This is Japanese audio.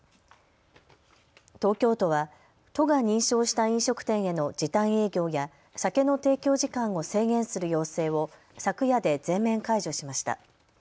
東京都は都が認証した飲食店への時短営業や酒の提供時間を制限する要請を昨夜で全面解除しました。